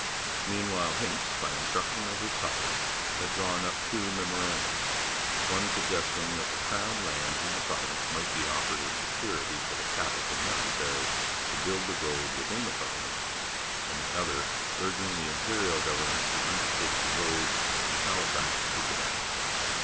Meanwhile Hincks, by instruction of his colleagues, had drawn up two memoranda one suggesting that the crown lands in the province might be offered as security for the capital necessary to build the road within the province, and the other urging the Imperial government to undertake the road from Halifax to Quebec.